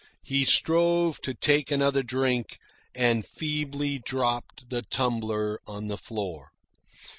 He strove to take another drink, and feebly dropped the tumbler on the floor.